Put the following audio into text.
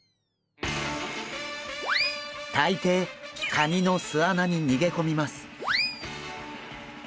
大抵カニの巣穴に逃げ込みます。